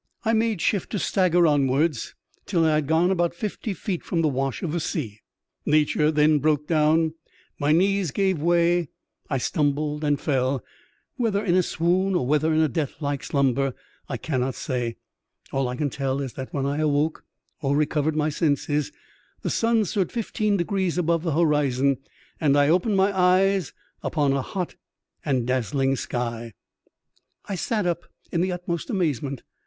I made shift to stagger onwards till I had gone about fifty feet from the wash of the sea; nature then broke down; my knees gave way, I stumbled and fell — whether in a swoon, or whether in a death like slumber, I cannot say ; all I can tell is that when I awoke, or recovered my senses, the sun stood fifteen degrees above the horizon, and I opened my eyes upon a hot and dazzling sky. I sat up in the utmost amazement.